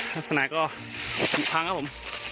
ลักษณะก็เป็นพังครับผม